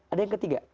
ada yang ketiga